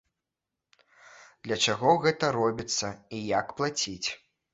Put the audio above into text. Для чаго гэта робіцца і як плаціць?